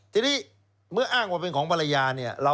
ทีนี้เมื่ออ้างว่าเป็นของภรรยาเนี่ย